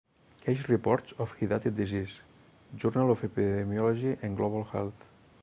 "Case Reports of Hydatid Disease." "Journal of Epidemiology and Global Health".